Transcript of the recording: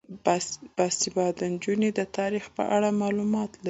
باسواده نجونې د تاریخ په اړه معلومات لري.